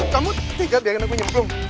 kamu tiga biar gak kena gue nyemblung